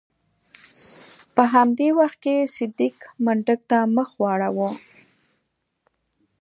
په همدې وخت کې صدک منډک ته مخ واړاوه.